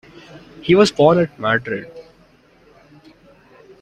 He was born at Madrid.